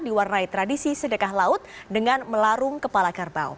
diwarnai tradisi sedekah laut dengan melarung kepala kerbau